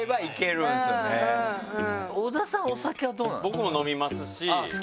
僕も飲みますし僕も。